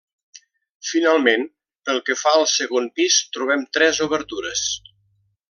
Finalment, pel que fa al segon pis trobem tres obertures.